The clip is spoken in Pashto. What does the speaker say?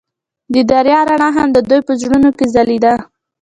د دریا رڼا هم د دوی په زړونو کې ځلېده.